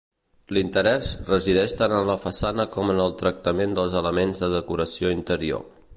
L'interès resideix tant en la façana com en el tractament dels elements de decoració interior.